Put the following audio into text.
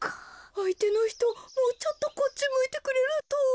あいてのひともうちょっとこっちむいてくれると。